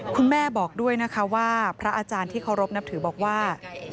คุณแม่บอกด้วยนะคะว่าพระอาจารย์ที่เคารพนับถือบอกว่า